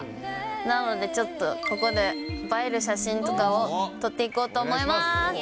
なので、ちょっとここで映える写真とかを撮っていこうと思います。